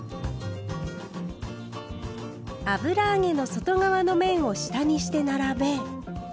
油揚げの外側の面を下にして並べ